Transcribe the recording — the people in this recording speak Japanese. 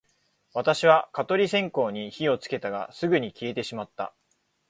私は蚊取り線香に火をつけたが、すぐに消えてしまった